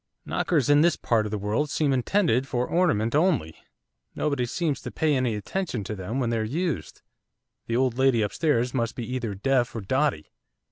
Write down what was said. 'Knockers in this part of the world seem intended for ornament only, nobody seems to pay any attention to them when they're used. The old lady upstairs must be either deaf or dotty.